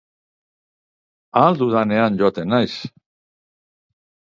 Ahal dudanean joaten naiz.